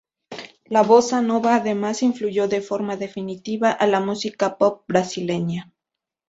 La bossa nova, además, influyó de forma definitiva a la música pop brasileña.